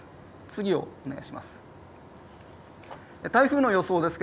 次お願いします。